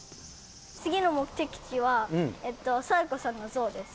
次の目的地は、禎子さんの像です。